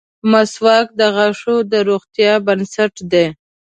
• مسواک د غاښونو د روغتیا بنسټ دی.